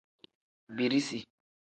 Birisi.